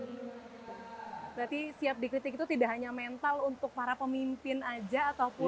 jadi siap dikritik itu tidak hanya mental untuk para pemimpin aja ataupun